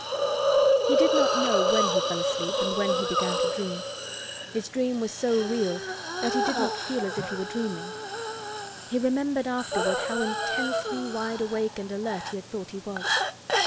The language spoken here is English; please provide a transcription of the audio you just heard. He did not know when he fell asleep and when he began to dream; his dream was so real that he did not feel as if he were dreaming. He remembered afterward how intensely wide awake and alert he had thought he was.